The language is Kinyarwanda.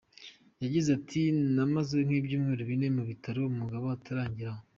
Yagize ati” Namazeyo nk’ibyumweru bine mu bitaro umugabo atangeraho.